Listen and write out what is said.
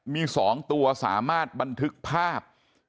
มี๒ตัวสามารถบันทึกภาพ